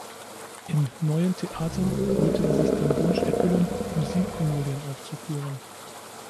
Im Neuen Theater wollte er sich den Wunsch erfüllen, Musikkomödien aufzuführen.